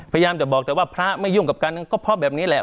พยายามจะบอกแต่ว่าพระไม่ยุ่งกับกันก็เพราะแบบนี้แหละ